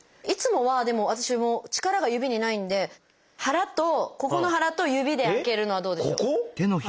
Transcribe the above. いつもはでも私も力が指にないんで腹とここの腹と指で開けるのはどうでしょう？